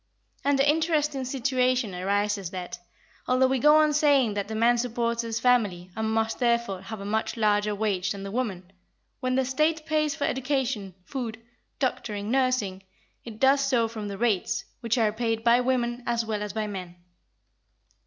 And the interesting situation arises that—although we go on saying that the man supports his family, and must, therefore, have a much larger wage than the woman—when the State pays for education, food, doctoring, nursing, it does so from the rates, which are paid by women as well as by men.